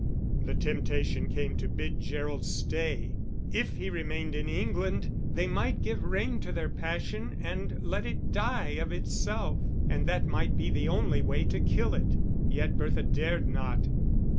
The temptation came to bid Gerald stay. If he remained in England they might give rein to their passion and let it die of itself; and that might be the only way to kill it. Yet Bertha dared not.